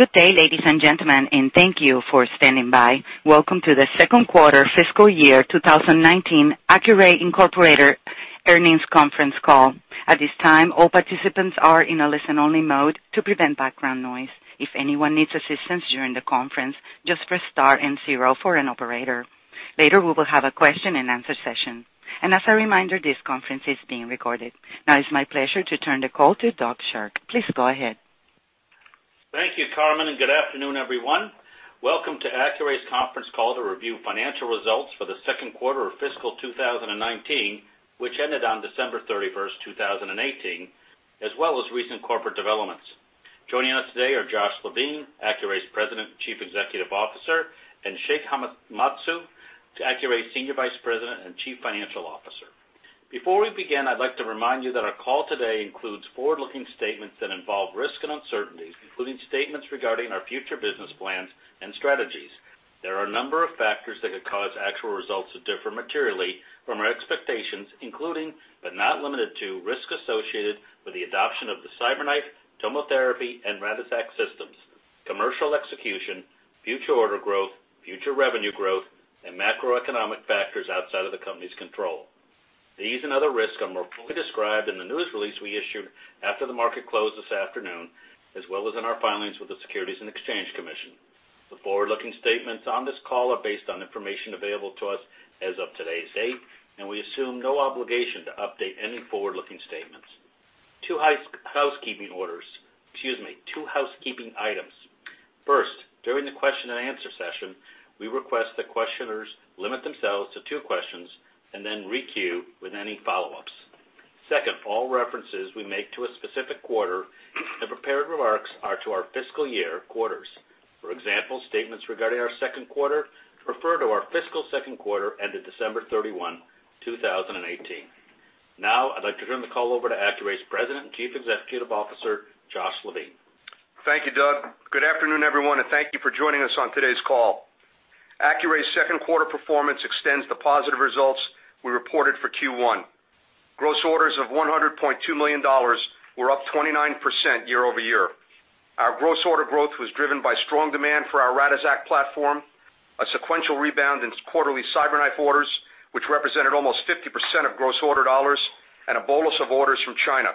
Good day, ladies and gentlemen, and thank you for standing by. Welcome to the second quarter fiscal year 2019 Accuray Incorporated earnings conference call. At this time, all participants are in a listen-only mode to prevent background noise. If anyone needs assistance during the conference, just press star and zero for an operator. Later, we will have a question and answer session. As a reminder, this conference is being recorded. Now it's my pleasure to turn the call to Doug Sherk. Please go ahead. Thank you, Carmen, and good afternoon, everyone. Welcome to Accuray's conference call to review financial results for the second quarter of fiscal 2019, which ended on December 31st, 2018, as well as recent corporate developments. Joining us today are Josh Levine, Accuray's President and Chief Executive Officer, and Shig Hamamatsu, Accuray's Senior Vice President and Chief Financial Officer. Before we begin, I'd like to remind you that our call today includes forward-looking statements that involve risks and uncertainties, including statements regarding our future business plans and strategies. There are a number of factors that could cause actual results to differ materially from our expectations, including but not limited to risks associated with the adoption of the CyberKnife, TomoTherapy, and Radixact systems, commercial execution, future order growth, future revenue growth, and macroeconomic factors outside of the company's control. These and other risks are more fully described in the news release we issued after the market closed this afternoon, as well as in our filings with the Securities and Exchange Commission. The forward-looking statements on this call are based on information available to us as of today's date, and we assume no obligation to update any forward-looking statements. Two housekeeping orders. Excuse me. Two housekeeping items. First, during the question and answer session, we request that questioners limit themselves to two questions and then re-queue with any follow-ups. Second, all references we make to a specific quarter in prepared remarks are to our fiscal year quarters. For example, statements regarding our second quarter refer to our fiscal second quarter ended December 31, 2018. Now, I'd like to turn the call over to Accuray's President and Chief Executive Officer, Josh Levine. Thank you, Doug. Good afternoon, everyone, and thank you for joining us on today's call. Accuray's second quarter performance extends the positive results we reported for Q1. Gross orders of $100.2 million were up 29% year-over-year. Our gross order growth was driven by strong demand for our Radixact platform, a sequential rebound in quarterly CyberKnife orders, which represented almost 50% of gross order dollars, and a bolus of orders from China.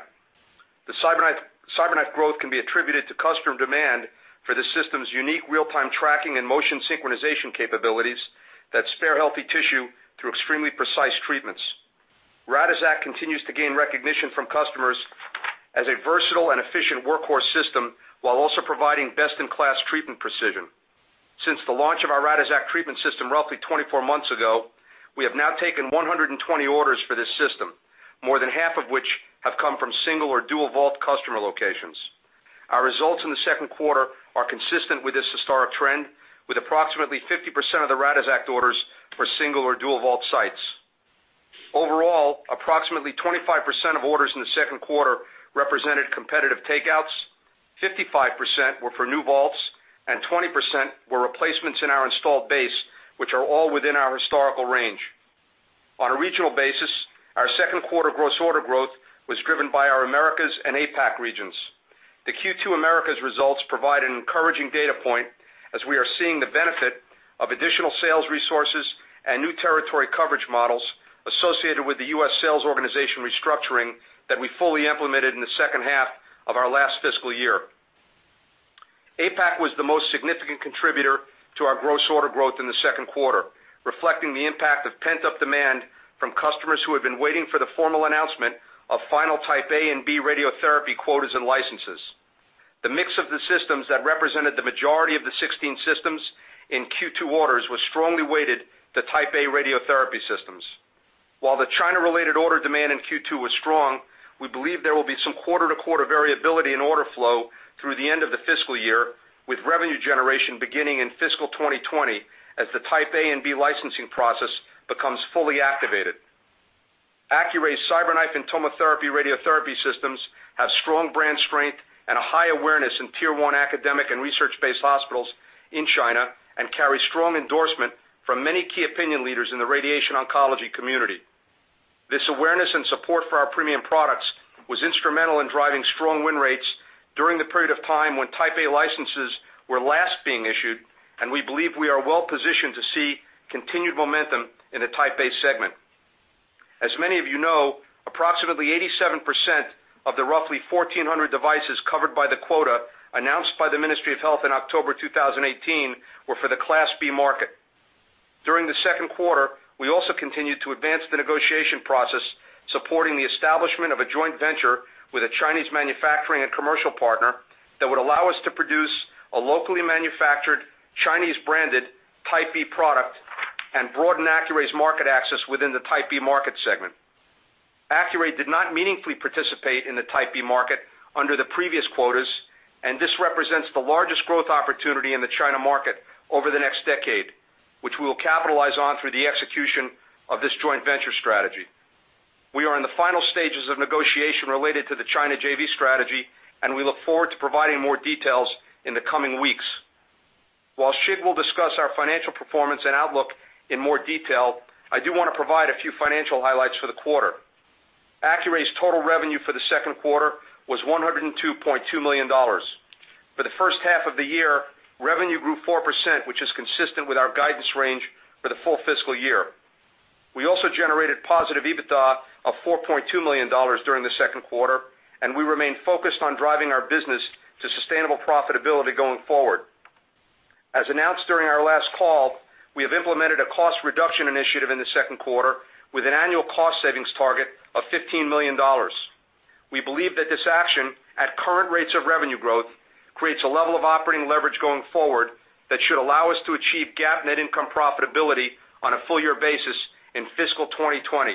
The CyberKnife growth can be attributed to customer demand for the system's unique real-time tracking and motion synchronization capabilities that spare healthy tissue through extremely precise treatments. Radixact continues to gain recognition from customers as a versatile and efficient workhorse system while also providing best-in-class treatment precision. Since the launch of our Radixact treatment system roughly 24 months ago, we have now taken 120 orders for this system, more than half of which have come from single or dual vault customer locations. Our results in the second quarter are consistent with this historic trend, with approximately 50% of the Radixact orders for single or dual vault sites. Overall, approximately 25% of orders in the second quarter represented competitive takeouts, 55% were for new vaults, and 20% were replacements in our installed base, which are all within our historical range. On a regional basis, our second quarter gross order growth was driven by our Americas and APAC regions. The Q2 Americas results provide an encouraging data point as we are seeing the benefit of additional sales resources and new territory coverage models associated with the U.S. sales organization restructuring that we fully implemented in the second half of our last fiscal year. APAC was the most significant contributor to our gross order growth in the second quarter, reflecting the impact of pent-up demand from customers who had been waiting for the formal announcement of final Type A and B radiotherapy quotas and licenses. The mix of the systems that represented the majority of the 16 systems in Q2 orders was strongly weighted to Type A radiotherapy systems. While the China-related order demand in Q2 was strong, we believe there will be some quarter-to-quarter variability in order flow through the end of the fiscal year, with revenue generation beginning in fiscal 2020 as the Type A and B licensing process becomes fully activated. Accuray's CyberKnife and TomoTherapy radiotherapy systems have strong brand strength and a high awareness in tier 1 academic and research-based hospitals in China and carry strong endorsement from many key opinion leaders in the radiation oncology community. This awareness and support for our premium products was instrumental in driving strong win rates during the period of time when Type A licenses were last being issued, and we believe we are well positioned to see continued momentum in the Type A segment. As many of you know, approximately 87% of the roughly 1,400 devices covered by the quota announced by the Ministry of Health in October 2018 were for the Class B market. During the second quarter, we also continued to advance the negotiation process supporting the establishment of a joint venture with a Chinese manufacturing and commercial partner that would allow us to produce a locally manufactured Chinese-branded Type B product and broaden Accuray's market access within the Type B market segment. Accuray did not meaningfully participate in the Type B market under the previous quotas, and this represents the largest growth opportunity in the China market over the next decade, which we will capitalize on through the execution of this joint venture strategy. We are in the final stages of negotiation related to the China JV strategy, and we look forward to providing more details in the coming weeks. While Shig will discuss our financial performance and outlook in more detail, I do want to provide a few financial highlights for the quarter. Accuray's total revenue for the second quarter was $102.2 million. For the first half of the year, revenue grew 4%, which is consistent with our guidance range for the full fiscal year. We also generated positive EBITDA of $4.2 million during the second quarter, and we remain focused on driving our business to sustainable profitability going forward. As announced during our last call, we have implemented a cost reduction initiative in the second quarter with an annual cost savings target of $15 million. We believe that this action, at current rates of revenue growth, creates a level of operating leverage going forward that should allow us to achieve GAAP net income profitability on a full year basis in fiscal 2020.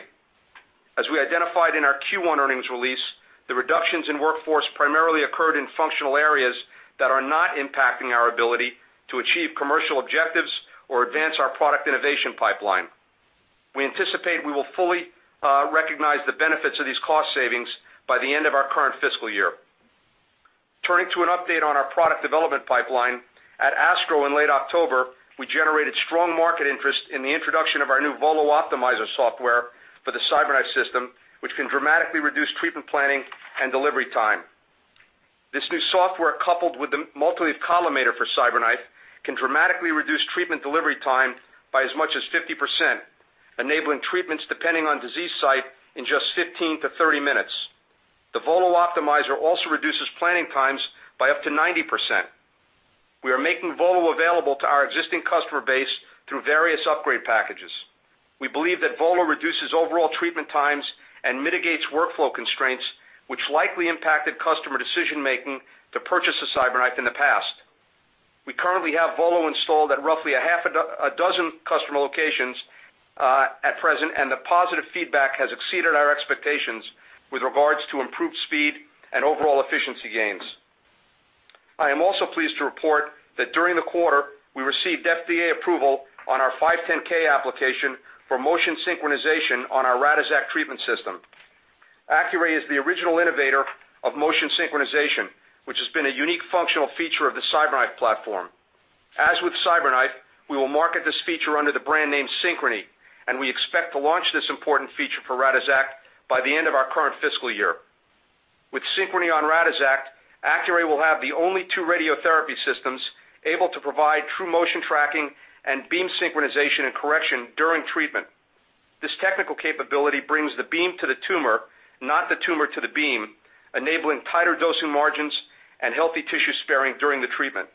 As we identified in our Q1 earnings release, the reductions in workforce primarily occurred in functional areas that are not impacting our ability to achieve commercial objectives or advance our product innovation pipeline. We anticipate we will fully recognize the benefits of these cost savings by the end of our current fiscal year. Turning to an update on our product development pipeline. At ASTRO in late October, we generated strong market interest in the introduction of our new VOLO Optimizer software for the CyberKnife system, which can dramatically reduce treatment planning and delivery time. This new software, coupled with the multi-leaf collimator for CyberKnife, can dramatically reduce treatment delivery time by as much as 50%, enabling treatments depending on disease site in just 15 to 30 minutes. The VOLO Optimizer also reduces planning times by up to 90%. We are making VOLO available to our existing customer base through various upgrade packages. We believe that VOLO reduces overall treatment times and mitigates workflow constraints, which likely impacted customer decision-making to purchase a CyberKnife in the past. We currently have VOLO installed at roughly a half a dozen customer locations at present, and the positive feedback has exceeded our expectations with regards to improved speed and overall efficiency gains. I am also pleased to report that during the quarter, we received FDA approval on our 510 application for motion synchronization on our Radixact treatment system. Accuray is the original innovator of motion synchronization, which has been a unique functional feature of the CyberKnife platform. As with CyberKnife, we will market this feature under the brand name Synchrony, and we expect to launch this important feature for Radixact by the end of our current fiscal year. With Synchrony on Radixact, Accuray will have the only two radiotherapy systems able to provide true motion tracking and beam synchronization and correction during treatment. This technical capability brings the beam to the tumor, not the tumor to the beam, enabling tighter dosing margins and healthy tissue sparing during the treatment.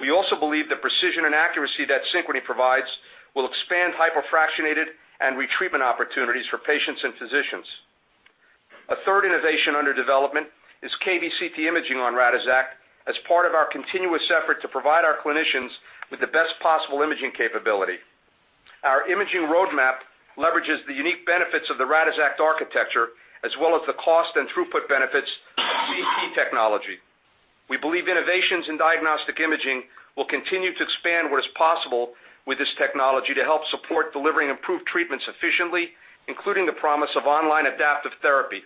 We also believe the precision and accuracy that Synchrony provides will expand hyperfractionated and retreatment opportunities for patients and physicians. A third innovation under development is KVCT imaging on Radixact, as part of our continuous effort to provide our clinicians with the best possible imaging capability. Our imaging roadmap leverages the unique benefits of the Radixact architecture, as well as the cost and throughput benefits of CT technology. We believe innovations in diagnostic imaging will continue to expand what is possible with this technology to help support delivering improved treatments efficiently, including the promise of online adaptive therapy.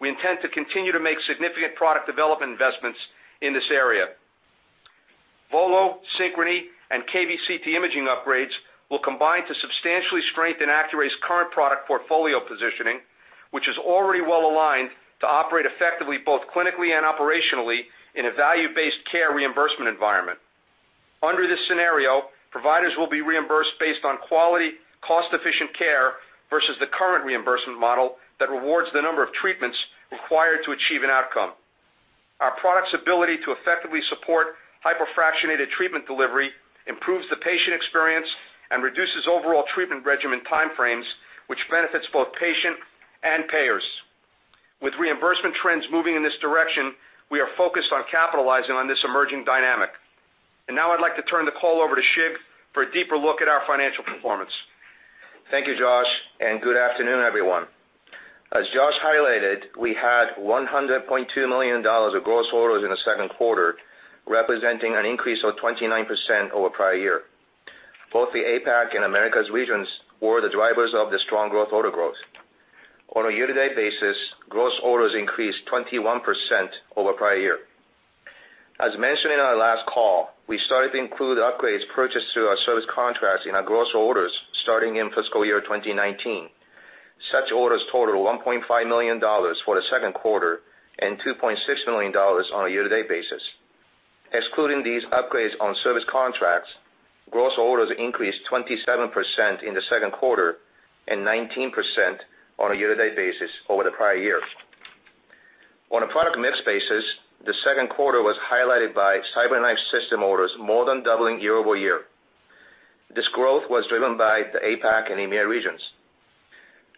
We intend to continue to make significant product development investments in this area. VOLO, Synchrony, and KVCT imaging upgrades will combine to substantially strengthen Accuray's current product portfolio positioning, which is already well aligned to operate effectively, both clinically and operationally, in a value-based care reimbursement environment. Under this scenario, providers will be reimbursed based on quality, cost-efficient care versus the current reimbursement model that rewards the number of treatments required to achieve an outcome. Our product's ability to effectively support hyperfractionated treatment delivery improves the patient experience and reduces overall treatment regimen time frames, which benefits both patient and payers. With reimbursement trends moving in this direction, we are focused on capitalizing on this emerging dynamic. Now I'd like to turn the call over to Shig for a deeper look at our financial performance. Thank you, Josh, and good afternoon, everyone. As Josh highlighted, we had $100.2 million of gross orders in the second quarter, representing an an increase of 29% over prior year. Both the APAC and Americas regions were the drivers of the strong growth order growth. On a year-to-date basis, gross orders increased 21% over prior year. As mentioned in our last call, we started to include upgrades purchased through our service contracts in our gross orders starting in fiscal year 2019. Such orders totaled $1.5 million for the second quarter and $2.6 million on a year-to-date basis. Excluding these upgrades on service contracts, gross orders increased 27% in the second quarter and 19% on a year-to-date basis over the prior year. On a product mix basis, the second quarter was highlighted by CyberKnife system orders more than doubling year over year. This growth was driven by the APAC and EMEA regions.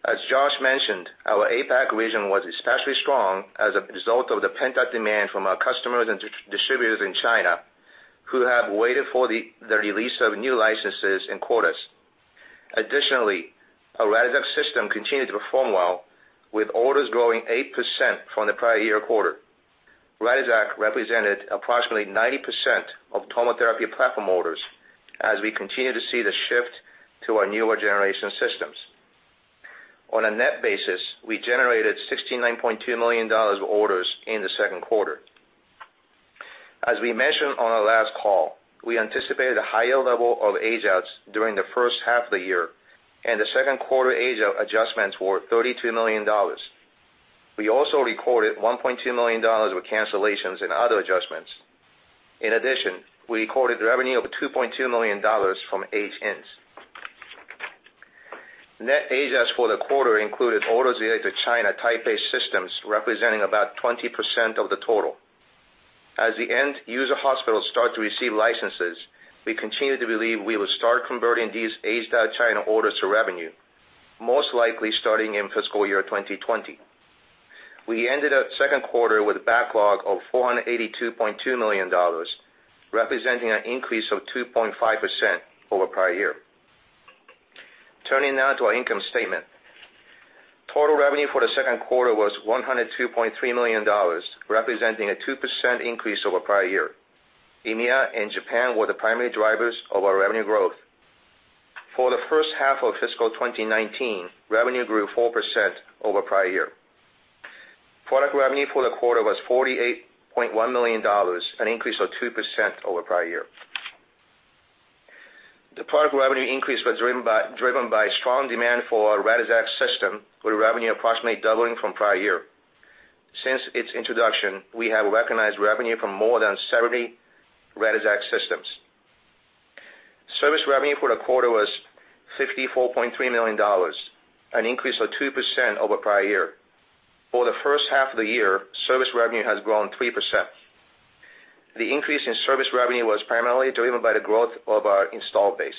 As Josh mentioned, our APAC region was especially strong as a result of the pent-up demand from our customers and distributors in China, who have waited for the release of new licenses and quotas. Additionally, our Radixact system continued to perform well, with orders growing 8% from the prior year quarter. Radixact represented approximately 90% of TomoTherapy platform orders as we continue to see the shift to our newer generation systems. On a net basis, we generated $69.2 million of orders in the second quarter. As we mentioned on our last call, we anticipated a higher level of age-outs during the first half of the year, and the second quarter age-out adjustments were $32 million. We also recorded $1.2 million with cancellations and other adjustments. In addition, we recorded revenue of $2.2 million from age-ins. Net age-outs for the quarter included orders related to China Type A systems, representing about 20% of the total. As the end user hospitals start to receive licenses, we continue to believe we will start converting these aged-out China orders to revenue, most likely starting in fiscal year 2020. We ended the second quarter with a backlog of $482.2 million, representing an increase of 2.5% over prior year. Turning now to our income statement. Total revenue for the second quarter was $102.3 million, representing a 2% increase over prior year. EMEA and Japan were the primary drivers of our revenue growth. For the first half of fiscal 2019, revenue grew 4% over prior year. Product revenue for the quarter was $48.1 million, an increase of 2% over prior year. The product revenue increase was driven by strong demand for our Radixact system, with revenue approximately doubling from prior year. Since its introduction, we have recognized revenue from more than 70 Radixact systems. Service revenue for the quarter was $54.3 million, an increase of 2% over prior year. For the first half of the year, service revenue has grown 3%. The increase in service revenue was primarily driven by the growth of our install base.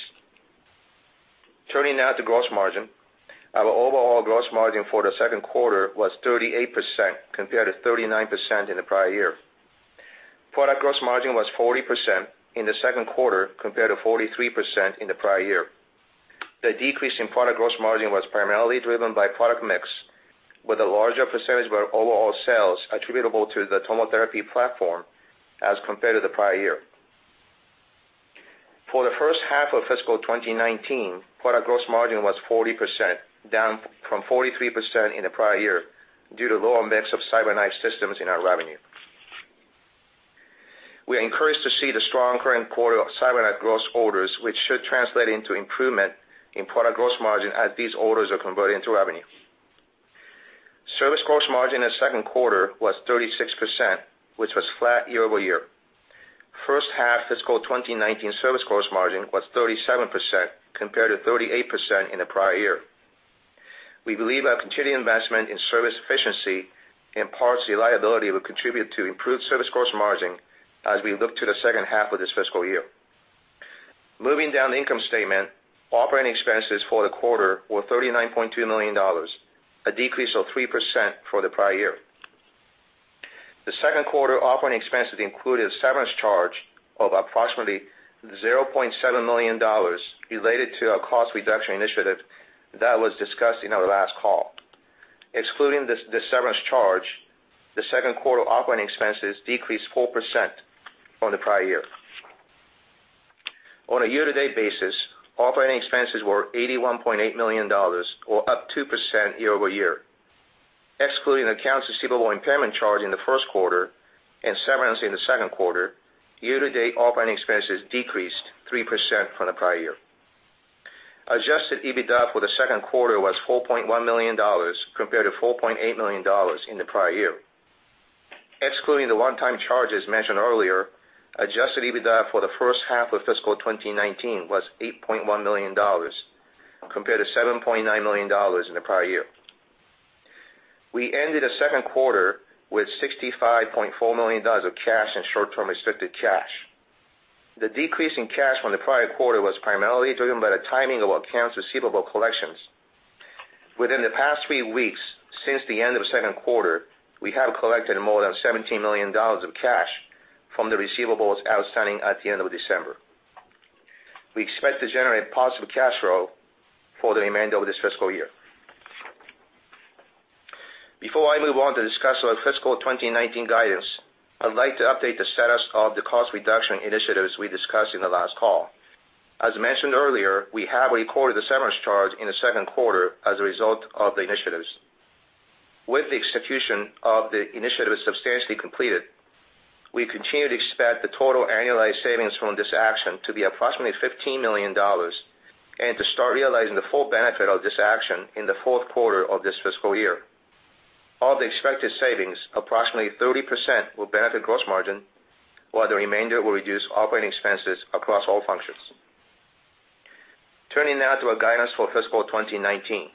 Turning now to gross margin. Our overall gross margin for the second quarter was 38%, compared to 39% in the prior year. Product gross margin was 40% in the second quarter, compared to 43% in the prior year. The decrease in product gross margin was primarily driven by product mix, with a larger percentage of our overall sales attributable to the TomoTherapy platform as compared to the prior year. For the first half of fiscal 2019, product gross margin was 40%, down from 43% in the prior year, due to lower mix of CyberKnife systems in our revenue. We are encouraged to see the strong current quarter of CyberKnife gross orders, which should translate into improvement in product gross margin as these orders are converted into revenue. Service gross margin in the second quarter was 36%, which was flat year-over-year. First half fiscal 2019 service gross margin was 37%, compared to 38% in the prior year. We believe our continued investment in service efficiency and parts reliability will contribute to improved service gross margin as we look to the second half of this fiscal year. Moving down the income statement, operating expenses for the quarter were $39.2 million, a decrease of 3% for the prior year. The second quarter operating expenses included a severance charge of approximately $0.7 million related to our cost reduction initiative that was discussed in our last call. Excluding the severance charge, the second quarter operating expenses decreased 4% from the prior year. On a year-to-date basis, operating expenses were $81.8 million, or up 2% year-over-year. Excluding accounts receivable impairment charge in the first quarter and severance in the second quarter, year-to-date operating expenses decreased 3% from the prior year. Adjusted EBITDA for the second quarter was $4.1 million, compared to $4.8 million in the prior year. Excluding the one-time charges mentioned earlier, adjusted EBITDA for the first half of fiscal 2019 was $8.1 million, compared to $7.9 million in the prior year. We ended the second quarter with $65.4 million of cash and short-term restricted cash. The decrease in cash from the prior quarter was primarily driven by the timing of accounts receivable collections. Within the past three weeks, since the end of the second quarter, we have collected more than $17 million of cash from the receivables outstanding at the end of December. We expect to generate positive cash flow for the remainder of this fiscal year. Before I move on to discuss our fiscal 2019 guidance, I'd like to update the status of the cost reduction initiatives we discussed in the last call. As mentioned earlier, we have recorded the severance charge in the second quarter as a result of the initiatives. With the execution of the initiatives substantially completed, we continue to expect the total annualized savings from this action to be approximately $15 million and to start realizing the full benefit of this action in the fourth quarter of this fiscal year. Of the expected savings, approximately 30% will benefit gross margin, while the remainder will reduce operating expenses across all functions. Turning now to our guidance for fiscal 2019.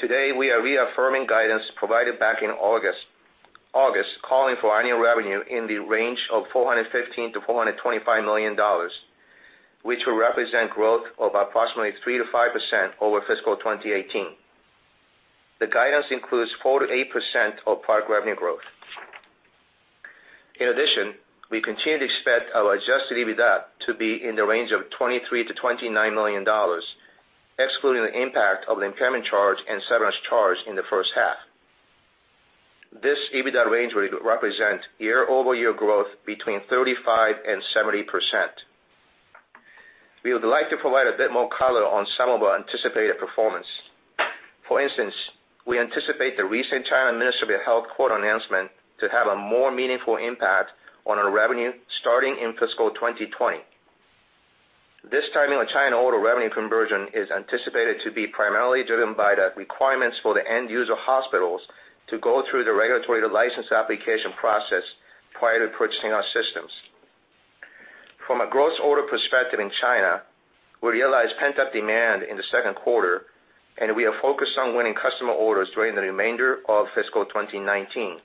Today, we are reaffirming guidance provided back in August, calling for annual revenue in the range of $415 million-$425 million, which will represent growth of approximately 3%-5% over fiscal 2018. The guidance includes 4%-8% of product revenue growth. In addition, we continue to expect our adjusted EBITDA to be in the range of $23 million-$29 million, excluding the impact of the impairment charge and severance charge in the first half. This EBITDA range will represent year-over-year growth between 35% and 70%. We would like to provide a bit more color on some of our anticipated performance. For instance, we anticipate the recent China National Health Commission court announcement to have a more meaningful impact on our revenue starting in fiscal 2020. This timing on China order revenue conversion is anticipated to be primarily driven by the requirements for the end-user hospitals to go through the regulatory license application process prior to purchasing our systems. From a gross order perspective in China, we realized pent-up demand in the second quarter. We are focused on winning customer orders during the remainder of fiscal 2019.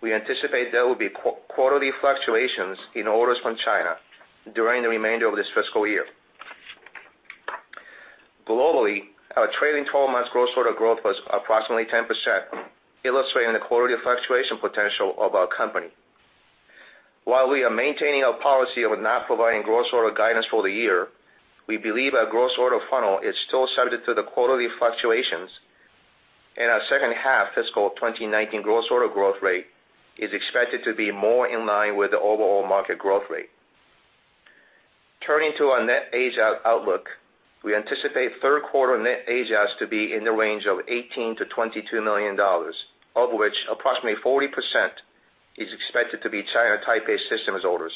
We anticipate there will be quarterly fluctuations in orders from China during the remainder of this fiscal year. Globally, our trailing 12 months gross order growth was approximately 10%, illustrating the quarterly fluctuation potential of our company. While we are maintaining our policy of not providing gross order guidance for the year, we believe our gross order funnel is still subject to the quarterly fluctuations. Our second half fiscal 2019 gross order growth rate is expected to be more in line with the overall market growth rate. Turning to our net age-out outlook, we anticipate third quarter net age-outs to be in the range of $18 million-$22 million, of which approximately 40% is expected to be China Type A systems orders.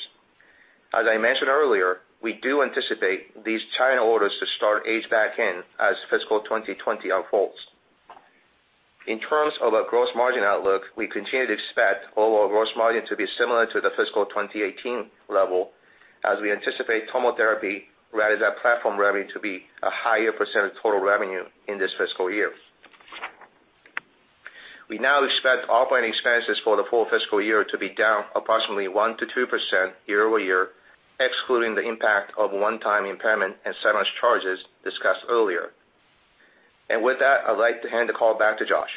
As I mentioned earlier, we do anticipate these China orders to start age back in as fiscal 2020 unfolds. In terms of our gross margin outlook, we continue to expect overall gross margin to be similar to the fiscal 2018 level, as we anticipate TomoTherapy, Radixact platform revenue to be a higher percent of total revenue in this fiscal year. We now expect operating expenses for the full fiscal year to be down approximately 1%-2% year-over-year, excluding the impact of one-time impairment and severance charges discussed earlier. With that, I'd like to hand the call back to Josh.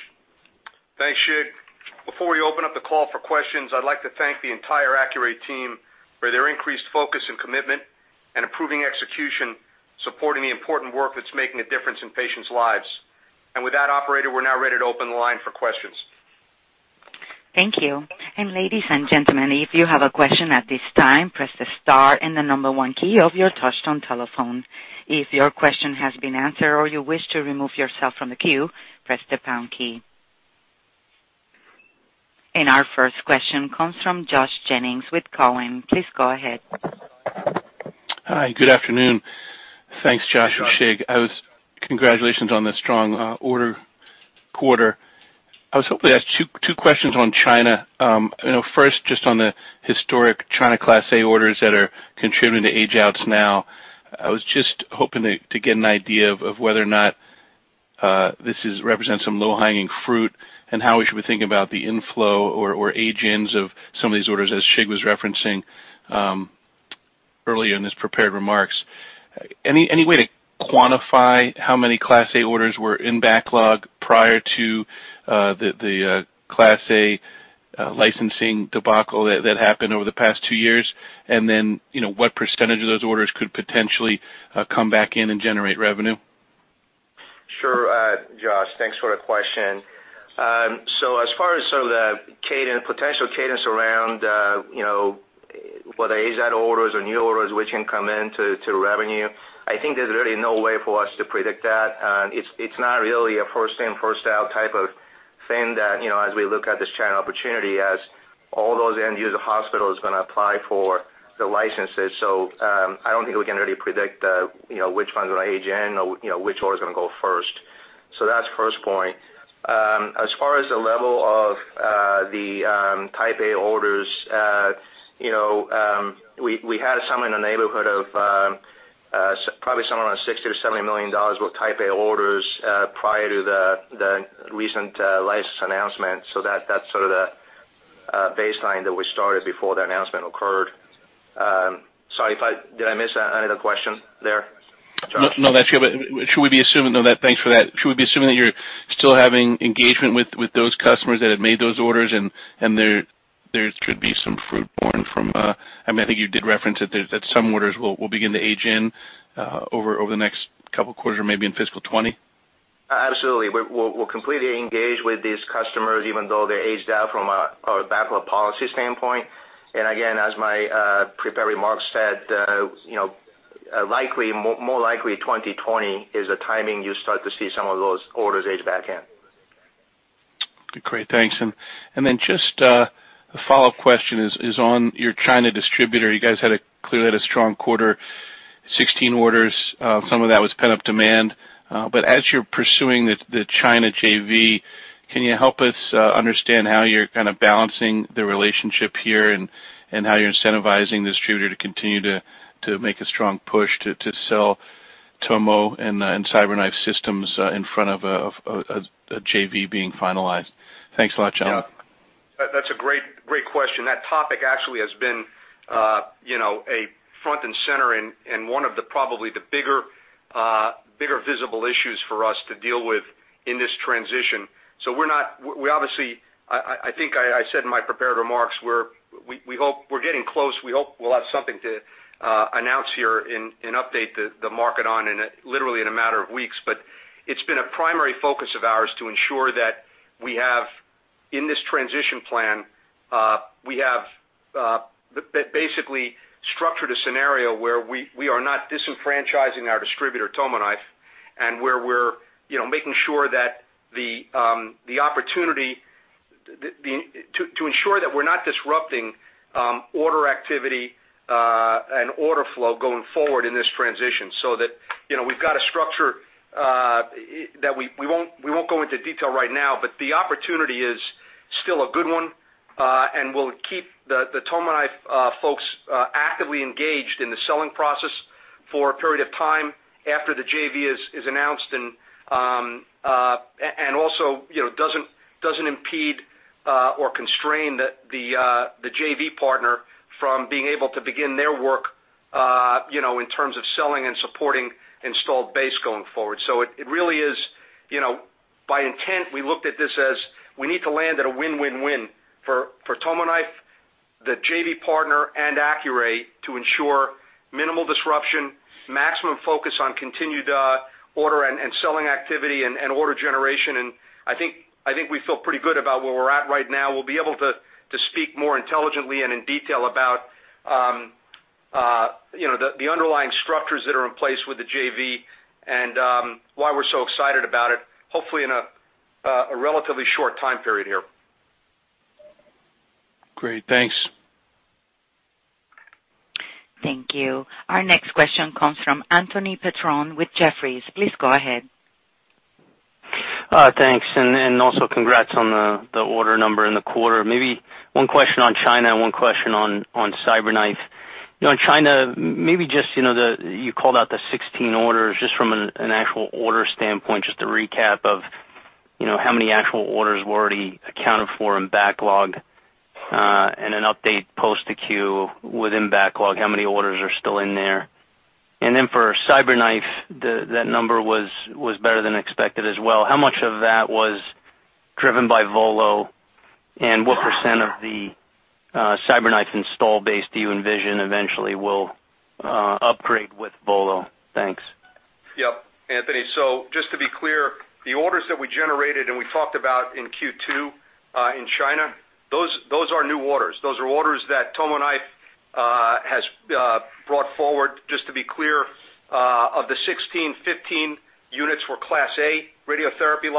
Thanks, Shig. Before we open up the call for questions, I'd like to thank the entire Accuray team for their increased focus and commitment and improving execution, supporting the important work that's making a difference in patients' lives. With that, operator, we're now ready to open the line for questions. Thank you. Ladies and gentlemen, if you have a question at this time, press the star and the number one key of your touchtone telephone. If your question has been answered or you wish to remove yourself from the queue, press the pound key. Our first question comes from Josh Jennings with Cowen. Please go ahead. Hi. Good afternoon. Thanks, Josh and Shig. Congratulations on the strong order quarter. I was hoping to ask two questions on China. First, just on the historic China Class A orders that are contributing to age-outs now. I was just hoping to get an idea of whether or not this represents some low-hanging fruit, and how we should be thinking about the inflow or age-ins of some of these orders, as Shig was referencing early in his prepared remarks. Any way to quantify how many Class A orders were in backlog prior to the Class A licensing debacle that happened over the past two years? Then, what % of those orders could potentially come back in and generate revenue? Sure, Josh. Thanks for the question. As far as some of the potential cadence around whether age out orders or new orders, which can come in to revenue, I think there's really no way for us to predict that. It's not really a first-in, first-out type of thing that as we look at this China opportunity, as all those end-user hospitals going to apply for the licenses. I don't think we can really predict which ones are going to age in or which order is going to go first. That's first point. As far as the level of the Type A orders, we had somewhere in the neighborhood of probably somewhere around $60 million-$70 million worth of Type A orders prior to the recent license announcement. That's sort of the baseline that we started before that announcement occurred. Sorry, did I miss any of the question there, Josh? No, that's good. Thanks for that. Should we be assuming that you're still having engagement with those customers that have made those orders, there should be some fruit borne from I think you did reference that some orders will begin to age in over the next couple of quarters or maybe in fiscal 2020. Absolutely. We're completely engaged with these customers, even though they're aged out from a backlog policy standpoint. Again, as my prepared remarks said, more likely 2020 is the timing you start to see some of those orders age back in. Great, thanks. Just a follow-up question is on your China distributor. You guys clearly had a strong quarter, 16 orders. Some of that was pent-up demand. As you're pursuing the China JV, can you help us understand how you're kind of balancing the relationship here and how you're incentivizing distributor to continue to make a strong push to sell Tomo and CyberKnife systems in front of a JV being finalized? Thanks a lot, Josh. Yeah. That's a great question. That topic actually has been front and center and one of probably the bigger visible issues for us to deal with in this transition. We obviously, I think I said in my prepared remarks, we're getting close. We hope we'll have something to announce here and update the market on in literally in a matter of weeks. It's been a primary focus of ours to ensure that we have in this transition plan, we have basically structured a scenario where we are not disenfranchising our distributor, TomoKnife, and where we're making sure that the opportunity to ensure that we're not disrupting order activity, and order flow going forward in this transition so that we've got a structure that we won't go into detail right now, but the opportunity is still a good one. We'll keep the TomoKnife folks actively engaged in the selling process for a period of time after the JV is announced and also doesn't impede or constrain the JV partner from being able to begin their work, in terms of selling and supporting installed base going forward. It really is by intent, we looked at this as we need to land at a win-win-win for TomoKnife, the JV partner, and Accuray to ensure minimal disruption, maximum focus on continued order and selling activity and order generation. I think we feel pretty good about where we're at right now. We'll be able to speak more intelligently and in detail about the underlying structures that are in place with the JV and why we're so excited about it, hopefully in a relatively short time period here. Great. Thanks. Thank you. Our next question comes from Anthony Petrone with Jefferies. Please go ahead. Thanks. Also congrats on the order number in the quarter. Maybe one question on China and one question on CyberKnife. On China, maybe just, you called out the 16 orders just from an actual order standpoint, just a recap of how many actual orders were already accounted for in backlog, and an update post the Q within backlog, how many orders are still in there? Then for CyberKnife, that number was better than expected as well. How much of that was driven by Volo? And what % of the CyberKnife install base do you envision eventually will upgrade with Volo? Thanks. Yep, Anthony. Just to be clear, the orders that we generated, and we talked about in Q2, in China, those are new orders. Those are orders that TomoKnife has brought forward. Just to be clear, of the 16, 15 units were Class A radiotherapy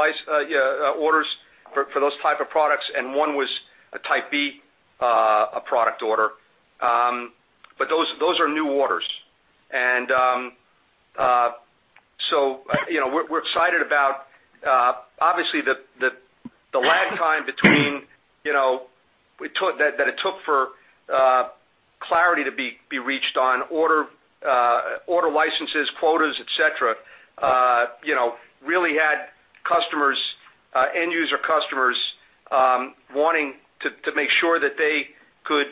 orders for those type of products, and one was a Type B product order. Those are new orders. We're excited about obviously the lag time between that it took for clarity to be reached on order licenses, quotas, et cetera, really had end-user customers wanting to make sure that they could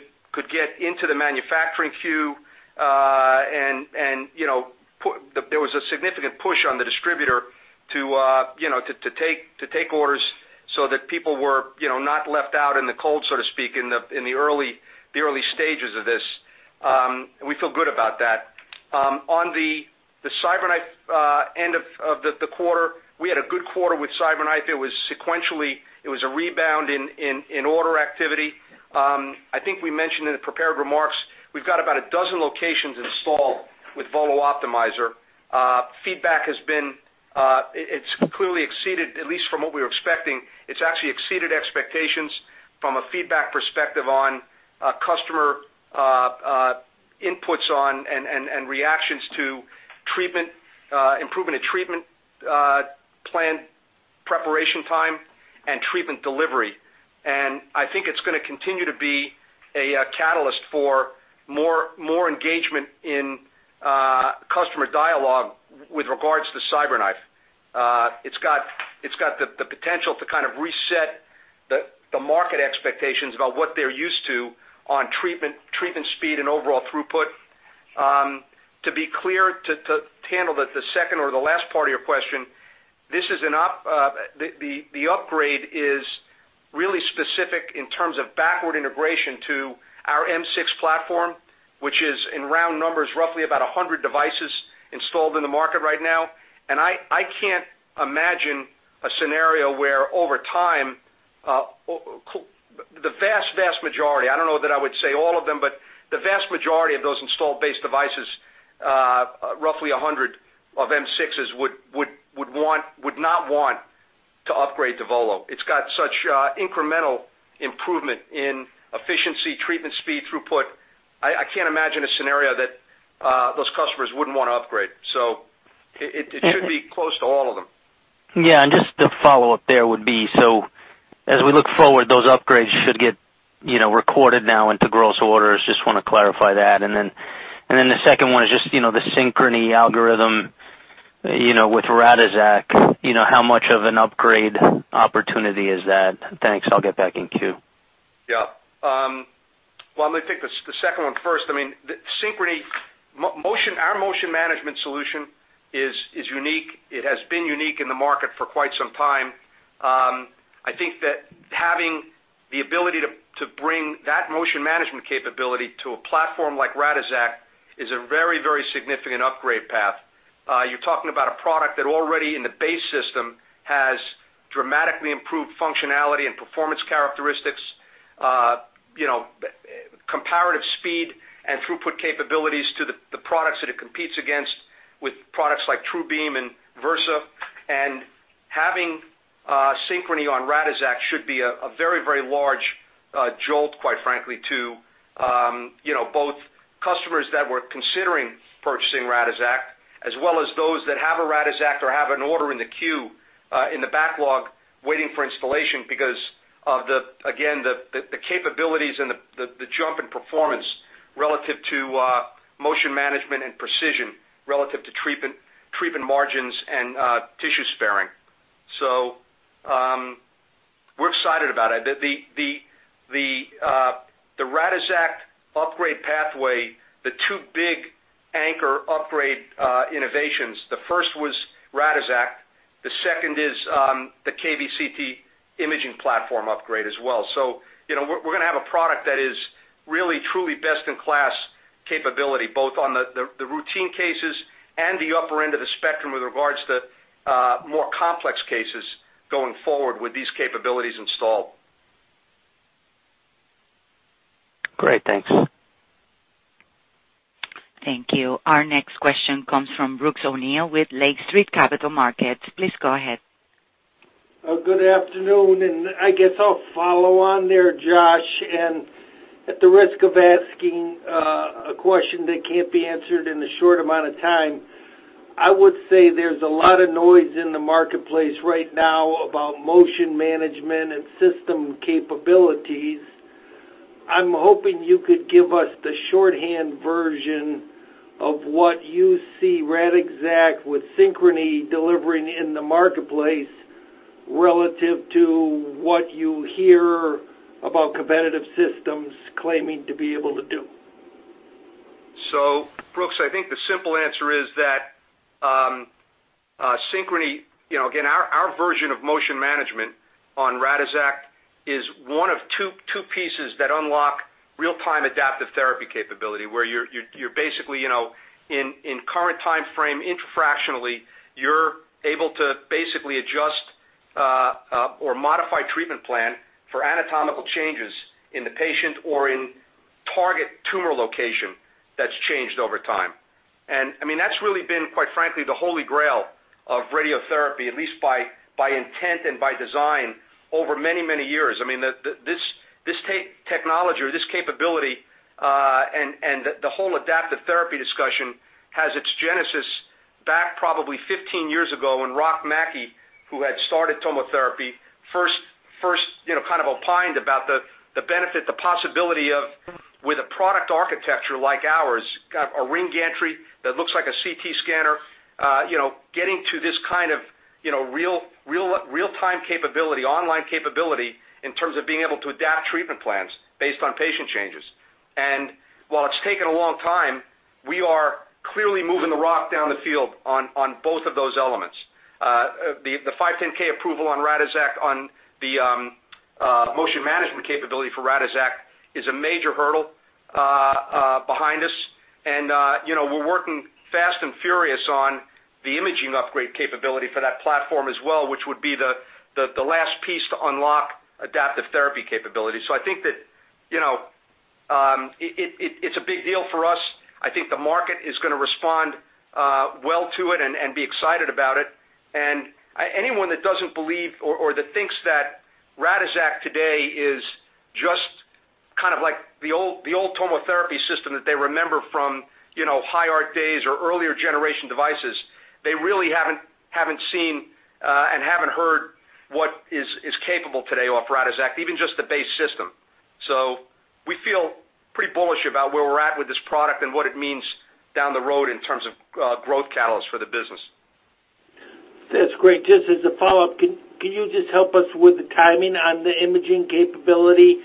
get into the manufacturing queue. There was a significant push on the distributor to take orders so that people were not left out in the cold, so to speak, in the early stages of this. We feel good about that. On the CyberKnife end of the quarter, we had a good quarter with CyberKnife. It was sequentially, it was a rebound in order activity. I think we mentioned in the prepared remarks, we've got about a dozen locations installed with Volo Optimizer. Feedback it's clearly exceeded, at least from what we were expecting. It's actually exceeded expectations from a feedback perspective on customer inputs on and reactions to improvement in treatment plan preparation time and treatment delivery. I think it's going to continue to be a catalyst for more engagement in customer dialogue with regards to CyberKnife. It's got the potential to kind of reset the market expectations about what they're used to on treatment speed and overall throughput. To be clear, to handle the second or the last part of your question, the upgrade is really specific in terms of backward integration to our M6 platform, which is in round numbers, roughly about 100 devices installed in the market right now. I can't imagine a scenario where over time the vast majority, I don't know that I would say all of them, but the vast majority of those installed base devices, roughly 100 of M6s would not want to upgrade to VOLO. It's got such incremental improvement in efficiency, treatment, speed, throughput. I can't imagine a scenario that those customers wouldn't want to upgrade. It should be close to all of them. Just the follow-up there would be, as we look forward, those upgrades should get recorded now into gross orders. Just want to clarify that. The second one is just the Synchrony algorithm, with Radixact. How much of an upgrade opportunity is that? Thanks. I'll get back in queue. Well, let me take the second one first. Synchrony, our motion management solution is unique. It has been unique in the market for quite some time. I think that having the ability to bring that motion management capability to a platform like Radixact is a very significant upgrade path. You're talking about a product that already in the base system has dramatically improved functionality and performance characteristics, comparative speed and throughput capabilities to the products that it competes against with products like TrueBeam and Versa. Having Synchrony on Radixact should be a very large jolt, quite frankly, to both customers that were considering purchasing Radixact, as well as those that have a Radixact or have an order in the queue, in the backlog waiting for installation because of the, again, the capabilities and the jump in performance relative to motion management and precision, relative to treatment margins and tissue sparing. We're excited about it. The Radixact upgrade pathway, the two big anchor upgrade innovations, the first was Radixact, the second is the KVCT imaging platform upgrade as well. We're going to have a product that is really truly best in class capability, both on the routine cases and the upper end of the spectrum with regards to more complex cases going forward with these capabilities installed. Great. Thanks. Thank you. Our next question comes from Brooks O'Neil with Lake Street Capital Markets. Please go ahead. Good afternoon, I guess I'll follow on there, Josh, at the risk of asking a question that can't be answered in a short amount of time, I would say there's a lot of noise in the marketplace right now about motion management and system capabilities. I'm hoping you could give us the shorthand version of what you see Radixact with Synchrony delivering in the marketplace relative to what you hear about competitive systems claiming to be able to do. Brooks, I think the simple answer is that Synchrony, again, our version of motion management on Radixact is one of two pieces that unlock real-time adaptive therapy capability, where you're basically, in current time frame, intra-fractionally, you're able to basically adjust or modify treatment plan for anatomical changes in the patient or in target tumor location that's changed over time. That's really been, quite frankly, the holy grail of radiotherapy, at least by intent and by design over many years. This technology or this capability, the whole adaptive therapy discussion has its genesis back probably 15 years ago when Rock Mackie, who had started TomoTherapy, first opined about the benefit, the possibility of with a product architecture like ours, got a ring gantry that looks like a CT scanner getting to this kind of real-time capability, online capability in terms of being able to adapt treatment plans based on patient changes. While it's taken a long time, we are clearly moving the rock down the field on both of those elements. The 510(k) approval on Radixact on the motion management capability for Radixact is a major hurdle behind us. We're working fast and furious on the imaging upgrade capability for that platform as well, which would be the last piece to unlock adaptive therapy capability. I think that it's a big deal for us. I think the market is going to respond well to it and be excited about it. Anyone that doesn't believe or that thinks that Radixact today is just like the old TomoTherapy system that they remember from Hi-Art days or earlier generation devices, they really haven't seen and haven't heard what is capable today of Radixact, even just the base system. We feel pretty bullish about where we're at with this product and what it means down the road in terms of growth catalyst for the business. That's great. Just as a follow-up, can you just help us with the timing on the imaging capability?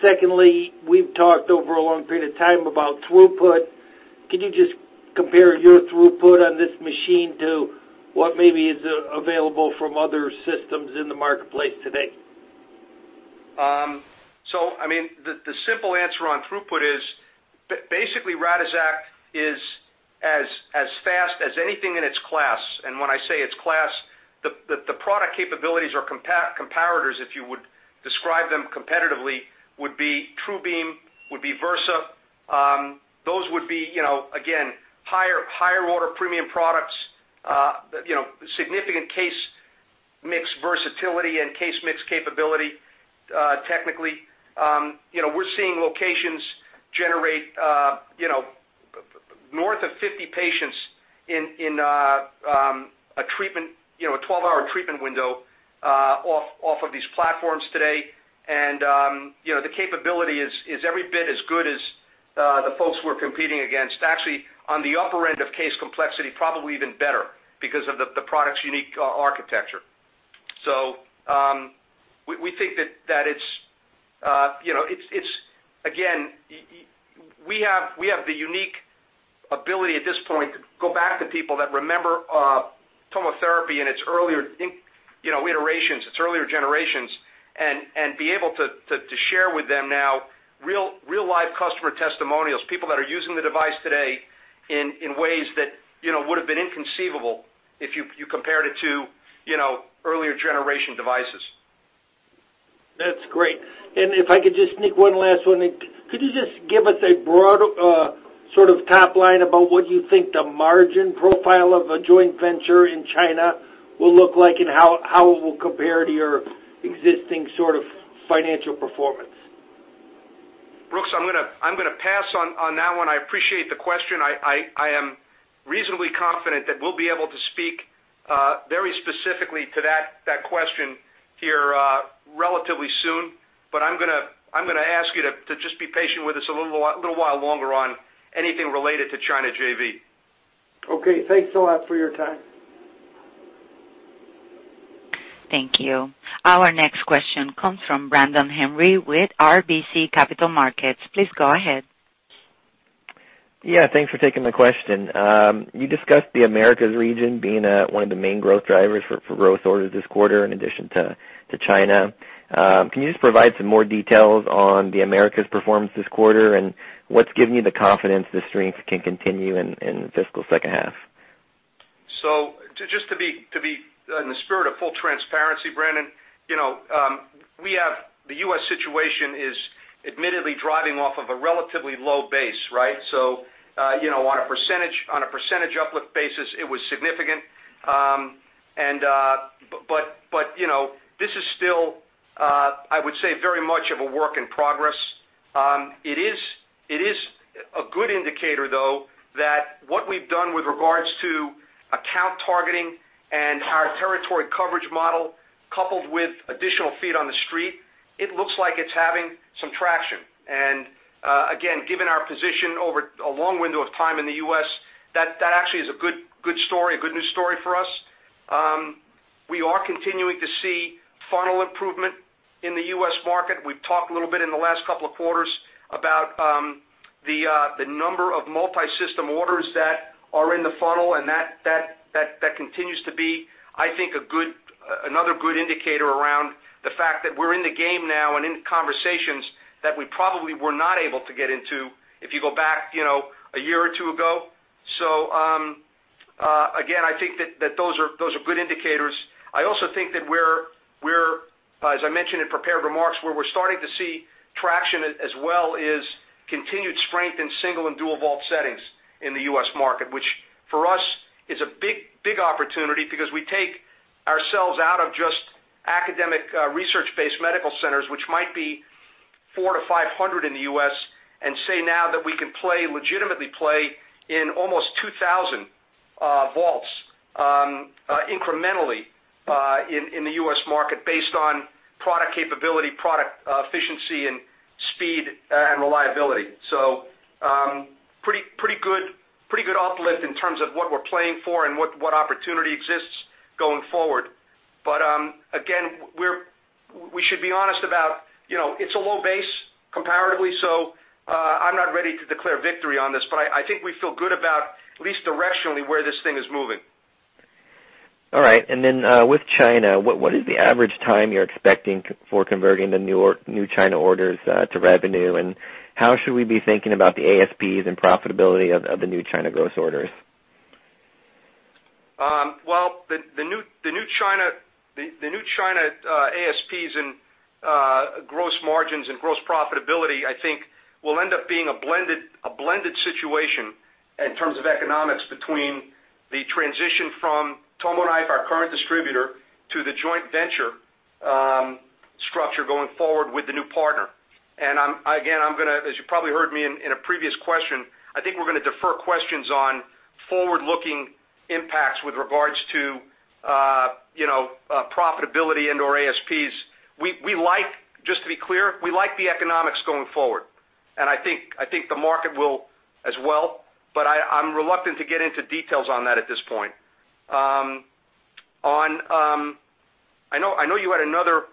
Secondly, we've talked over a long period of time about throughput. Can you just compare your throughput on this machine to what maybe is available from other systems in the marketplace today? The simple answer on throughput is basically Radixact is as fast as anything in its class. When I say its class, the product capabilities or comparators, if you would describe them competitively, would be TrueBeam, would be Versa. Those would be again, higher order premium products, significant case mix versatility and case mix capability, technically. We're seeing locations generate north of 50 patients in a 12-hour treatment window off of these platforms today. The capability is every bit as good as the folks we're competing against, actually, on the upper end of case complexity, probably even better because of the product's unique architecture. We think that it's, again, we have the unique ability at this point to go back to people that remember TomoTherapy in its earlier iterations, its earlier generations, and be able to share with them now real-life customer testimonials, people that are using the device today in ways that would've been inconceivable if you compared it to earlier generation devices. That's great. If I could just sneak one last one in. Could you just give us a broad sort of top line about what you think the margin profile of a joint venture in China will look like, and how it will compare to your existing sort of financial performance? Brooks, I'm going to pass on that one. I appreciate the question. I am reasonably confident that we'll be able to speak very specifically to that question here relatively soon. I'm going to ask you to just be patient with us a little while longer on anything related to China JV. Okay. Thanks a lot for your time. Thank you. Our next question comes from Brandon Henry with RBC Capital Markets. Please go ahead. Yeah, thanks for taking the question. You discussed the Americas region being one of the main growth drivers for growth orders this quarter in addition to China. Can you just provide some more details on the Americas' performance this quarter, and what's given you the confidence the strength can continue in the fiscal second half? Just to be in the spirit of full transparency, Brandon, the U.S. situation is admittedly driving off of a relatively low base, right? On a percentage uplift basis, it was significant. This is still, I would say, very much of a work in progress. It is a good indicator, though, that what we've done with regards to account targeting and our territory coverage model coupled with additional feet on the street, it looks like it's having some traction. Again, given our position over a long window of time in the U.S., that actually is a good news story for us. We are continuing to see funnel improvement in the U.S. market. We've talked a little bit in the last couple of quarters about the number of multi-system orders that are in the funnel, that continues to be, I think, another good indicator around the fact that we're in the game now and in conversations that we probably were not able to get into if you go back a year or two ago. Again, I think that those are good indicators. I also think that we're, as I mentioned in prepared remarks, where we're starting to see traction as well is continued strength in single and dual vault settings in the U.S. market, which for us is a big opportunity because we take ourselves out of just academic research-based medical centers, which might be 400-500 in the U.S., and say now that we can legitimately play in almost 2,000 vaults incrementally in the U.S. market based on product capability, product efficiency, and speed and reliability. Pretty good uplift in terms of what we're playing for and what opportunity exists going forward. Again, we should be honest about it's a low base comparatively, I'm not ready to declare victory on this, but I think we feel good about at least directionally where this thing is moving. All right. With China, what is the average time you're expecting for converting the new China orders to revenue, and how should we be thinking about the ASPs and profitability of the new China growth orders? The new China ASPs and gross margins and gross profitability, I think will end up being a blended situation in terms of economics between the transition from TomoKnife, our current distributor, to the joint venture structure going forward with the new partner. Again, as you probably heard me in a previous question, I think we're going to defer questions on forward-looking impacts with regards to profitability and/or ASPs. Just to be clear, we like the economics going forward, and I think the market will as well, I'm reluctant to get into details on that at this point. I know you had another.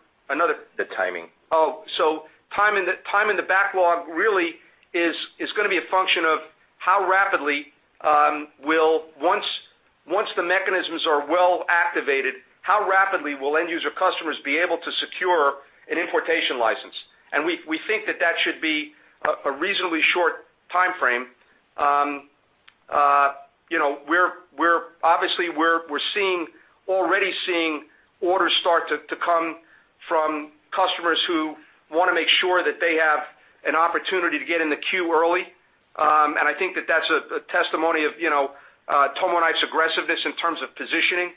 The timing. Timing the backlog really is going to be a function of how rapidly will, once the mechanisms are well activated, how rapidly will end user customers be able to secure an importation license? We think that that should be a reasonably short timeframe. Obviously, we're already seeing orders start to come from customers who want to make sure that they have an opportunity to get in the queue early. I think that that's a testimony of TomoKnife's aggressiveness in terms of positioning.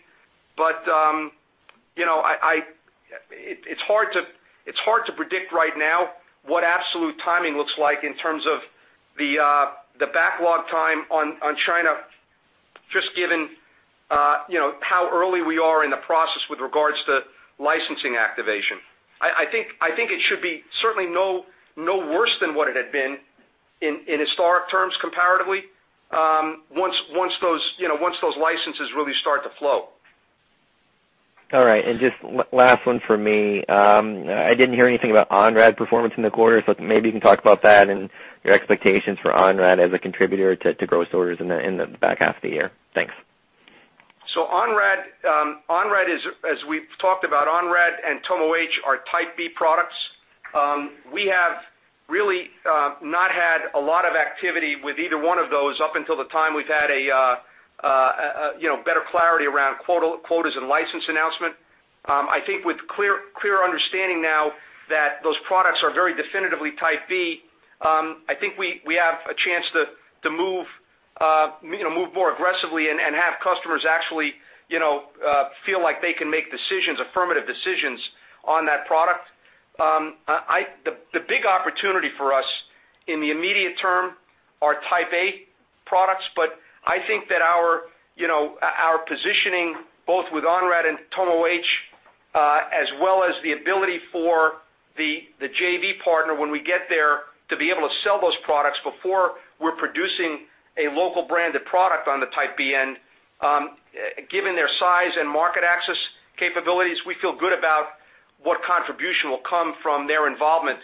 It's hard to predict right now what absolute timing looks like in terms of the backlog time on China just given how early we are in the process with regards to licensing activation. I think it should be certainly no worse than what it had been in historic terms comparatively, once those licenses really start to flow. All right. Just last one from me. I didn't hear anything about Onrad performance in the quarter, so maybe you can talk about that and your expectations for Onrad as a contributor to gross orders in the back half of the year. Thanks. Onrad, as we've talked about Onrad and TomoH are Type B products. We have really not had a lot of activity with either one of those up until the time we've had a better clarity around quotas and license announcement. I think with clear understanding now that those products are very definitively Type B, I think we have a chance to move more aggressively and have customers actually feel like they can make affirmative decisions on that product. The big opportunity for us in the immediate term are Type A products, I think that our positioning both with Onrad and TomoH, as well as the ability for the JV partner when we get there to be able to sell those products before we're producing a local branded product on the Type B end. Given their size and market access capabilities, we feel good about what contribution will come from their involvement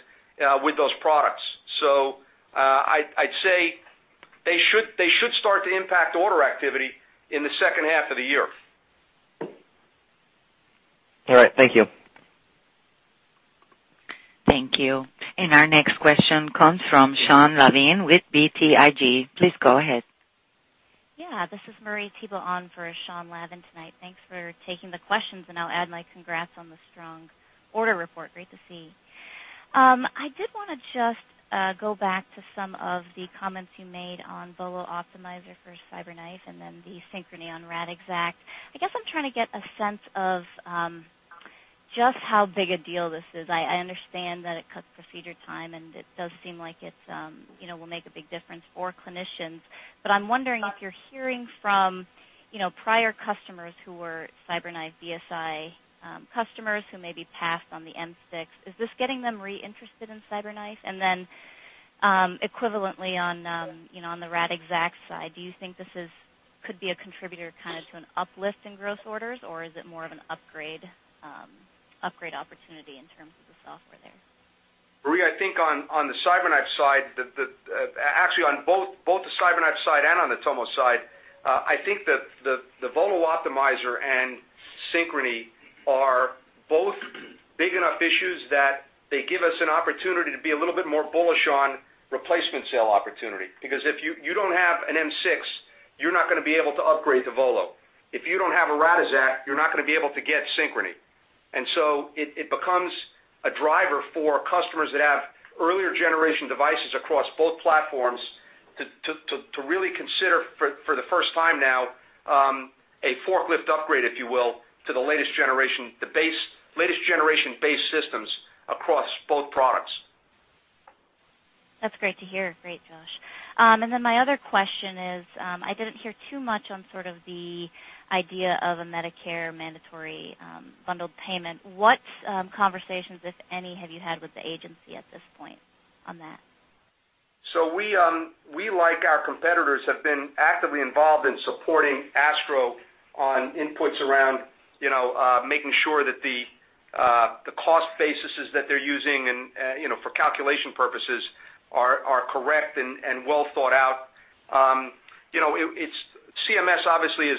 with those products. I'd say they should start to impact order activity in the second half of the year. All right. Thank you. Thank you. Our next question comes from Sean Lavin with BTIG. Please go ahead. Yeah. This is Marie Thibault on for Sean Lavin tonight. Thanks for taking the questions, and I'll add my congrats on the strong order report. Great to see. I did want to just go back to some of the comments you made on VOLO Optimizer for CyberKnife and then the Synchrony on Radixact. I guess I'm trying to get a sense of just how big a deal this is. I understand that it cuts procedure time, and it does seem like it will make a big difference for clinicians. I'm wondering if you're hearing from prior customers who were CyberKnife VSI customers who maybe passed on the M6. Is this getting them re-interested in CyberKnife? Then, equivalently on the Radixact side, do you think this could be a contributor to an uplift in gross orders, or is it more of an upgrade opportunity in terms of the software there? Marie, I think on the CyberKnife side, actually on both the CyberKnife side and on the Tomo side, I think the VOLO Optimizer and Synchrony are both big enough issues that they give us an opportunity to be a little bit more bullish on replacement sale opportunity. Because if you don't have an M6, you're not going to be able to upgrade the VOLO. If you don't have a Radixact, you're not going to be able to get Synchrony. It becomes a driver for customers that have earlier generation devices across both platforms to really consider for the first time now, a forklift upgrade, if you will, to the latest generation-based systems across both products. That's great to hear. Great, Josh. My other question is, I didn't hear too much on sort of the idea of a Medicare mandatory bundled payment. What conversations, if any, have you had with the agency at this point on that? We, like our competitors, have been actively involved in supporting ASTRO on inputs around making sure that the cost basis that they're using and for calculation purposes are correct and well thought out. CMS obviously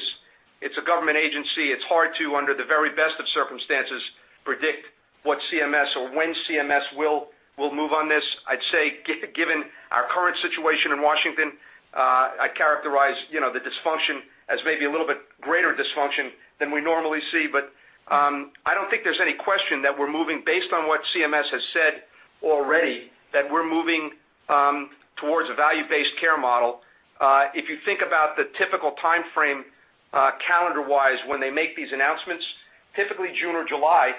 it's a government agency. It's hard to, under the very best of circumstances, predict what CMS or when CMS will move on this. I'd say, given our current situation in Washington, I characterize the dysfunction as maybe a little bit greater dysfunction than we normally see. I don't think there's any question that we're moving based on what CMS has said already, that we're moving towards a value-based care model. If you think about the typical timeframe calendar-wise, when they make these announcements, typically June or July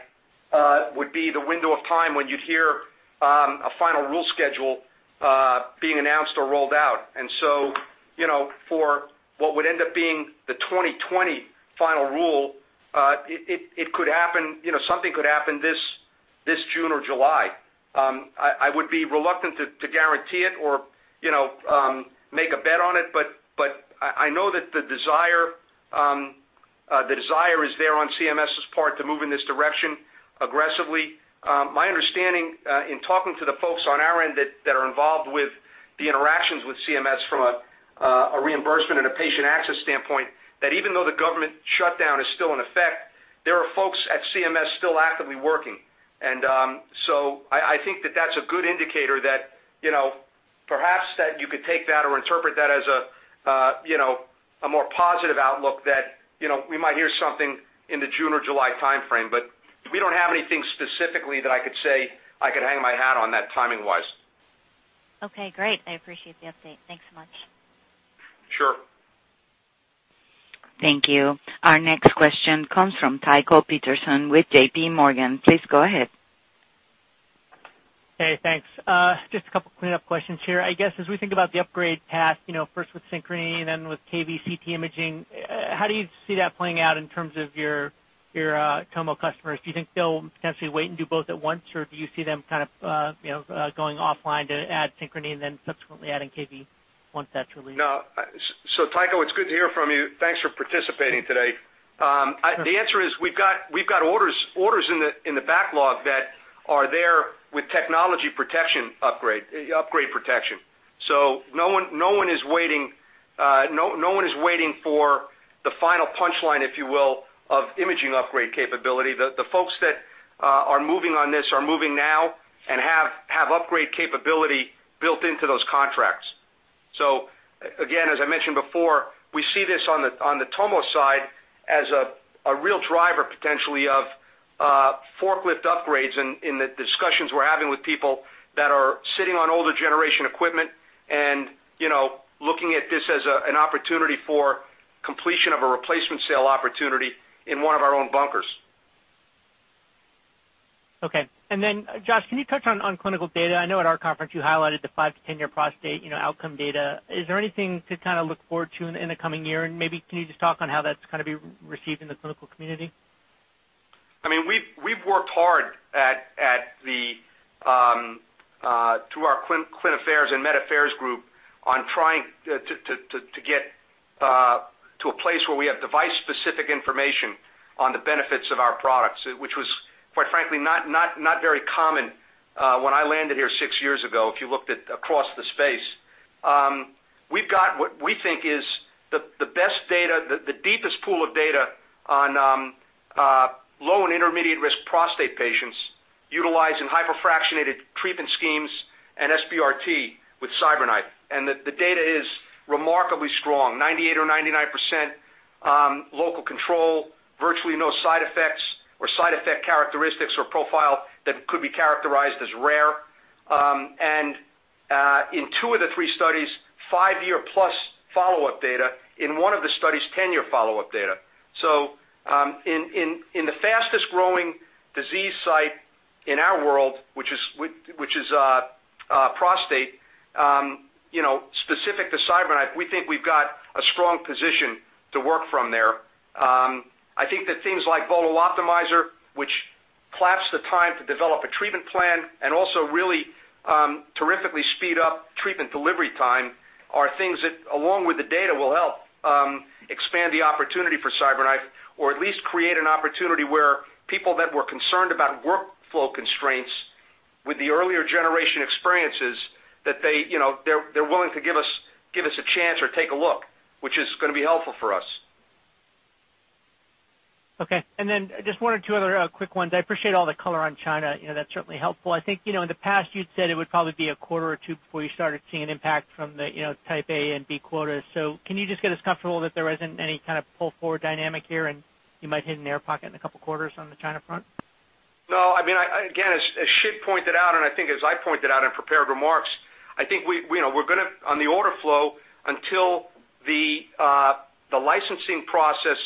would be the window of time when you'd hear a final rule schedule being announced or rolled out. For what would end up being the 2020 final rule, something could happen this June or July. I would be reluctant to guarantee it or make a bet on it, I know that the desire is there on CMS' part to move in this direction aggressively. My understanding in talking to the folks on our end that are involved with the interactions with CMS from a reimbursement and a patient access standpoint, that even though the government shutdown is still in effect, there are folks at CMS still actively working. I think that that's a good indicator that perhaps that you could take that or interpret that as a more positive outlook that we might hear something in the June or July timeframe, but we don't have anything specifically that I could say I could hang my hat on that timing-wise. Okay, great. I appreciate the update. Thanks so much. Sure. Thank you. Our next question comes from Tycho Peterson with J.P. Morgan. Please go ahead. Hey, thanks. Just a couple clean-up questions here. I guess, as we think about the upgrade path, first with Synchrony and then with KV CT imaging, how do you see that playing out in terms of your Tomo customers? Do you think they'll potentially wait and do both at once, or do you see them going offline to add Synchrony and then subsequently adding KV once that's released? No. Tycho, it's good to hear from you. Thanks for participating today. The answer is, we've got orders in the backlog that are there with technology protection upgrade protection. No one is waiting for the final punchline, if you will, of imaging upgrade capability. The folks that are moving on this are moving now and have upgrade capability built into those contracts. Again, as I mentioned before, we see this on the Tomo side as a real driver, potentially, of forklift upgrades in the discussions we're having with people that are sitting on older generation equipment and looking at this as an opportunity for completion of a replacement sale opportunity in one of our own bunkers. Josh, can you touch on clinical data? I know at our conference you highlighted the 5- to 10-year prostate outcome data. Is there anything to look forward to in the coming year? Maybe can you just talk on how that's going to be received in the clinical community? We've worked hard through our clin affairs and med affairs group on trying to get to a place where we have device-specific information on the benefits of our products, which was, quite frankly, not very common when I landed here six years ago, if you looked at across the space. We've got what we think is the best data, the deepest pool of data on low and intermediate risk prostate patients utilizing hyperfractionated treatment schemes and SBRT with CyberKnife. The data is remarkably strong, 98% or 99% local control, virtually no side effects or side effect characteristics or profile that could be characterized as rare. In two of the three studies, five-year-plus follow-up data; in one of the studies, 10-year follow-up data. In the fastest growing disease site in our world, which is prostate, specific to CyberKnife, we think we've got a strong position to work from there. I think that things like VOLO Optimizer, which collapse the time to develop a treatment plan and also really terrifically speed up treatment delivery time, are things that, along with the data, will help expand the opportunity for CyberKnife or at least create an opportunity where people that were concerned about workflow constraints with the earlier generation experiences, they're willing to give us a chance or take a look, which is going to be helpful for us. Okay. Just one or two other quick ones. I appreciate all the color on China. That's certainly helpful. I think in the past you'd said it would probably be a quarter or two before you started seeing an impact from the Type A and B quotas. Can you just get us comfortable that there isn't any kind of pull-forward dynamic here, and you might hit an air pocket in a couple of quarters on the China front? No. Again, as Shig pointed out, as I pointed out in prepared remarks, on the order flow, until the licensing process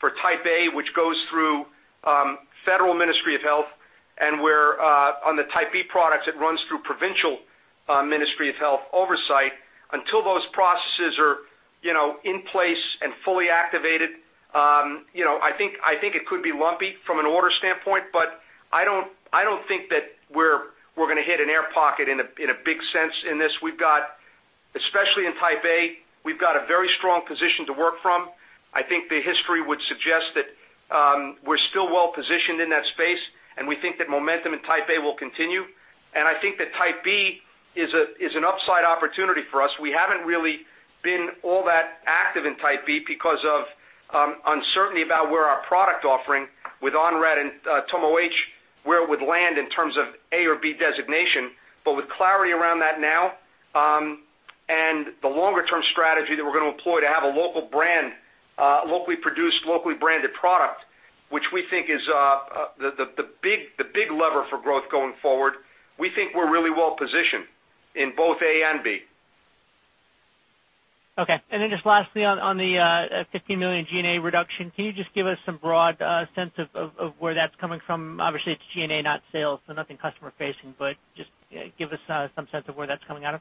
for Type A, which goes through National Health Commission, and where on the Type B products, it runs through Provincial Ministry of Health oversight. Until those processes are in place and fully activated, I think it could be lumpy from an order standpoint, but I don't think that we're going to hit an air pocket in a big sense in this. Especially in Type A, we've got a very strong position to work from. I think the history would suggest that we're still well-positioned in that space, and we think that momentum in Type A will continue. I think that Type B is an upside opportunity for us. We haven't really been all that active in Type B because of uncertainty about where our product offering with Onrad and TomoH, where it would land in terms of A or B designation. With clarity around that now, and the longer-term strategy that we're going to employ to have a locally produced, locally branded product, which we think is the big lever for growth going forward, we think we're really well-positioned in both A and B. Okay. Just lastly on the $15 million G&A reduction, can you just give us some broad sense of where that's coming from? Obviously, it's G&A, not sales, so nothing customer-facing, but just give us some sense of where that's coming out of.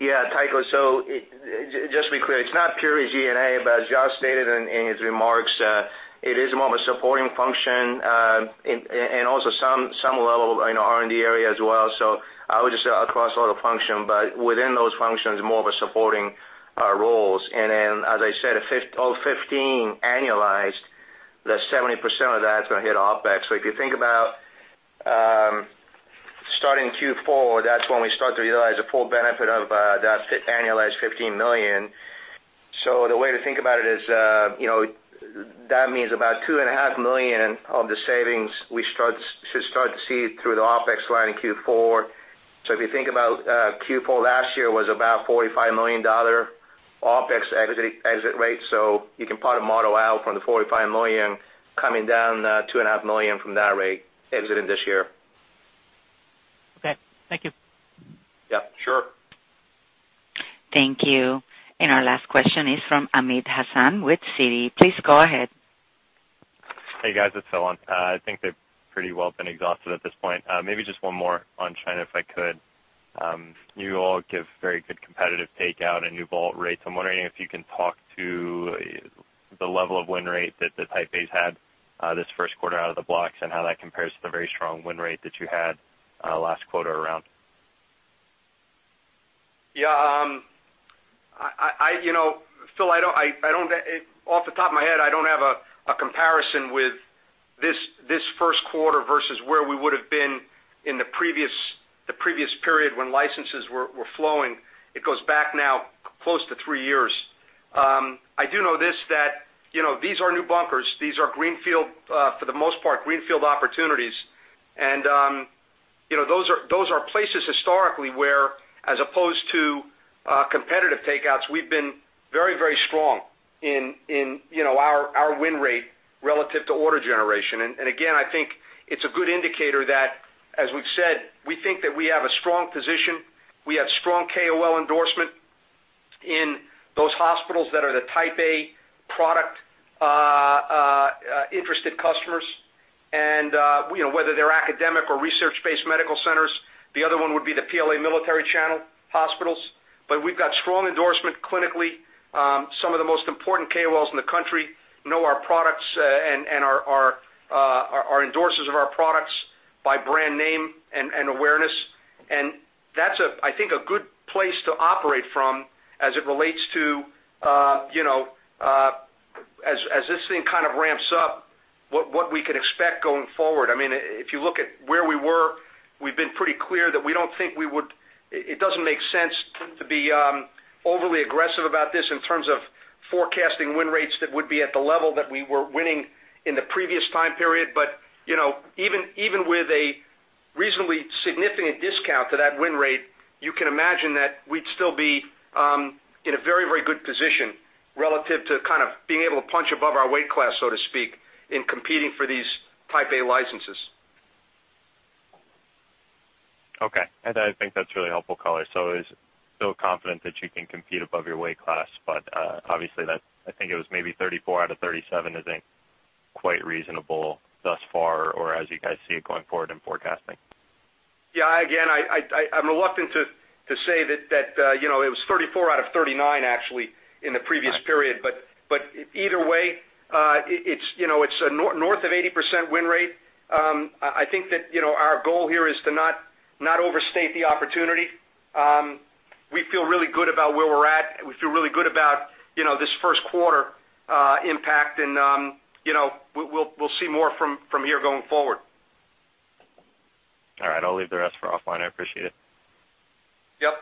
Yeah, Tycho, just to be clear, it's not pure G&A, but as Josh stated in his remarks, it is more of a supporting function, and also some level in our R&D area as well. I would just say across all the function, but within those functions, more of a supporting roles. Then, as I said, of $15 million annualized, that 70% of that is going to hit OpEx. If you think about starting Q4, that's when we start to utilize the full benefit of that annualized $15 million. The way to think about it is, that means about $2.5 million of the savings should start to see through the OpEx line in Q4. If you think about Q4 last year was about $45 million OpEx exit rate. You can part of model out from the $45 million coming down two and a half million from that rate exiting this year. Okay. Thank you. Yeah, sure. Thank you. Our last question is from Amit Hazan with Citi. Please go ahead. Hey, guys, it's Phil. I think they've pretty well been exhausted at this point. Maybe just one more on China, if I could. You all give very good competitive takeout and new vault rates. I'm wondering if you can talk to the level of win rate that the Type Bs had this first quarter out of the blocks and how that compares to the very strong win rate that you had last quarter around. Yeah. Phil, off the top of my head, I don't have a comparison with this first quarter versus where we would've been in the previous period when licenses were flowing. It goes back now close to three years. I do know this, that these are new bunkers. These are, for the most part, greenfield opportunities. Those are places historically where, as opposed to competitive take-outs, we've been very strong in our win rate relative to order generation. Again, I think it's a good indicator that, as we've said, we think that we have a strong position. We have strong KOL endorsement in those hospitals that are the Type A product interested customers, and whether they're academic or research-based medical centers. The other one would be the PLA military channel hospitals. We've got strong endorsement clinically. Some of the most important KOLs in the country know our products and are endorsers of our products by brand name and awareness. That's, I think, a good place to operate from as it relates to as this thing kind of ramps up, what we could expect going forward. If you look at where we were, we've been pretty clear that it doesn't make sense to be overly aggressive about this in terms of forecasting win rates that would be at the level that we were winning in the previous time period. Even with a reasonably significant discount to that win rate, you can imagine that we'd still be in a very good position relative to kind of being able to punch above our weight class, so to speak, in competing for these Type A licenses. Okay. I think that's really helpful color. It's still confident that you can compete above your weight class, but obviously, I think it was maybe 34 out of 37 is quite reasonable thus far or as you guys see it going forward in forecasting. Yeah. Again, I'm reluctant to say that it was 34 out of 39 actually in the previous period. Either way, it's north of 80% win rate. I think that our goal here is to not overstate the opportunity. We feel really good about where we're at. We feel really good about this first quarter impact, and we'll see more from here going forward. All right. I'll leave the rest for offline. I appreciate it. Yep.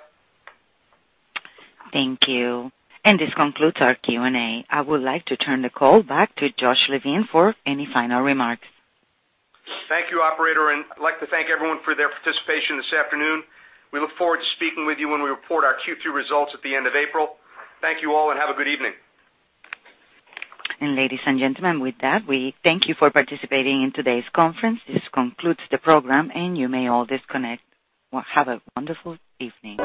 Thank you. This concludes our Q&A. I would like to turn the call back to Joshua Levine for any final remarks. Thank you, operator, and I'd like to thank everyone for their participation this afternoon. We look forward to speaking with you when we report our Q2 results at the end of April. Thank you all, and have a good evening. ladies and gentlemen, with that, we thank you for participating in today's conference. This concludes the program, and you may all disconnect. Well, have a wonderful evening.